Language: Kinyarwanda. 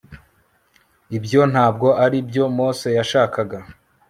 ibyo ntabwo ari byo mose yashakaga